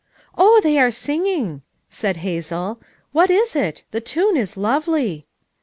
"Oh, they are singing!" said Hazel. "What is it? The tune is lovely."